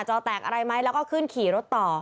อแตกอะไรไหมแล้วก็ขึ้นขี่รถต่อ